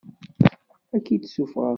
Ad k-id-ssuffɣeɣ syin.